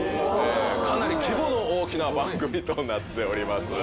かなり規模の大きな番組となっております。